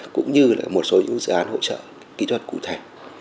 cũng như là một số dự án hỗ trợ kỹ thuật cụ thể